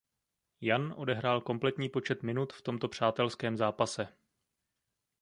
Jan odehrál kompletní počet minut v tomto přátelském zápase.